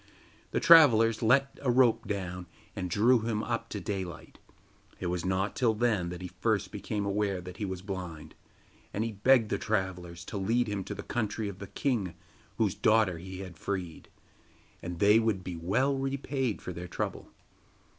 The travellers let a rope down and drew him up to daylight. It was not till then that he first became aware that he was blind, and he begged the travellers to lead him to the country of the king whose daughter he had freed, and they would be well repaid for their trouble.